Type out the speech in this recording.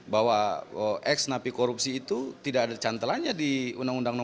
bahwa ex napi korupsi itu tidak ada cantelannya di undang undang